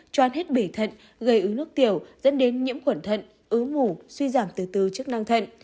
choan hết bể thận gây ứ nước tiểu dẫn đến nhiễm khuẩn thận ứ mủ suy giảm từ từ chức năng thận